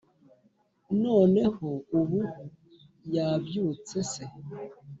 noneho ubu yabyutse se